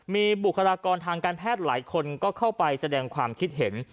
มีบุคลากรทางการแพทย์หลายคนก็เข้าไปแสดงความคิดเห็น